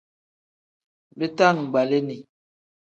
Bitangbalini.